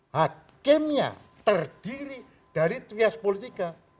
hakimnya terdiri dari trias politika